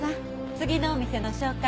次のお店の紹介